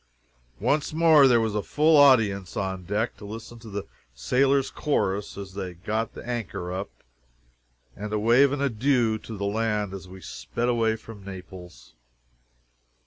Once more there was a full audience on deck to listen to the sailors' chorus as they got the anchor up, and to wave an adieu to the land as we sped away from Naples.